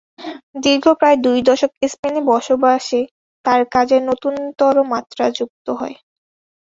দীর্ঘ প্রায় দুই দশক স্পেনে বসবাসে তাঁর কাজে নতুনতর মাত্রা যুক্ত হয়।